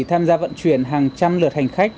tham gia vận chuyển hàng trăm lượt hành khách